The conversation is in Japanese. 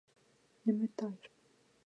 眠たい